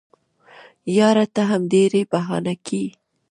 یاره ته هم ډېري بهانې کیې.